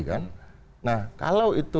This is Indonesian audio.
kan nah kalau itu